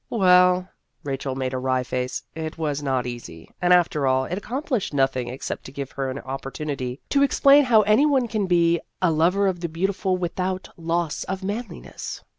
" Well " Rachel made a wry face " it was not easy. And after all, it accom Heroic Treatment 87 plished nothing except to give her an op portunity to explain how any one can be a 'lover of the beautiful without loss of manliness.'